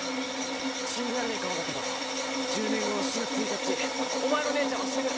信じられねえかもだけど１０年後の７月１日お前の姉ちゃんは死ぬ。